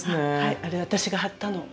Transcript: あれ私がはったの。